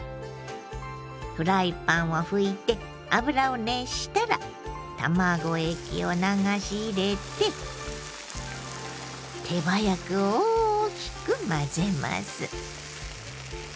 フライパンを拭いて油を熱したら卵液を流し入れて手早く大きく混ぜます。